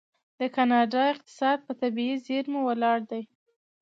د کاناډا اقتصاد په طبیعي زیرمو ولاړ دی.